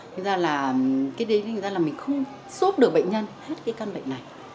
thế ra là cái đấy là mình không giúp được bệnh nhân hết cái căn bệnh này